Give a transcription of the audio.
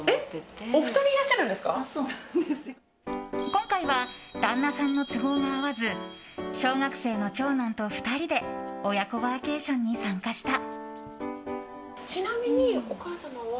今回は旦那さんの都合が合わず小学生の長男と２人で親子ワーケーションに参加した。